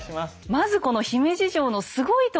まずこの姫路城のすごいところ。